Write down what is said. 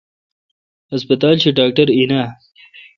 ہسپتال شی ڈاکٹر این آ?